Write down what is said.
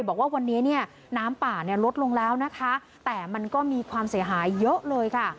บอกว่าวันนี้เนี่ยน้ำป่าเนี่ยลดลงแล้วนะคะแต่มันก็มีความเสียหายเยอะเลยค่ะ